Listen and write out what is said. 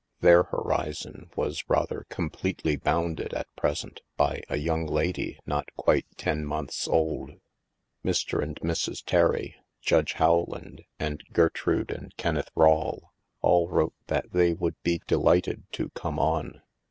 Their horizon was rather completely bounded, at present, by a young lady not quite ten months old. Mr. and Mrs. Terry, Judge Rowland, and Ger trude and Kenneth Rawle all wrote that they would be delighted to come on.